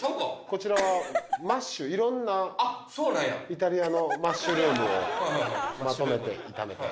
こちらはマッシュいろんなそうなんやイタリアのマッシュルームをまとめて炒めた